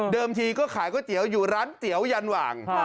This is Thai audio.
ทีก็ขายก๋วยเตี๋ยวอยู่ร้านเตี๋ยวยันหว่าง